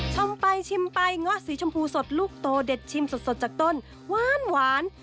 ไปชิมไปเงาะสีชมพูสดลูกโตเด็ดชิมสดจากต้นหวาน